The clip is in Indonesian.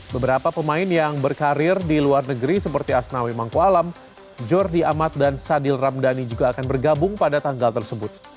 beberapa pemain yang berkarir di luar negeri seperti asnawi mangkualam jordi amat dan sadil ramdhani juga akan bergabung pada tanggal tersebut